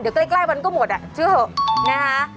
เดี๋ยวใกล้วันก็หมดอ่ะเชื่อเถอะนะคะ